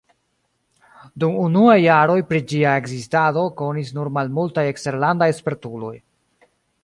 Dum unuaj jaroj pri ĝia ekzistado konis nur malmultaj eksterlandaj spertuloj.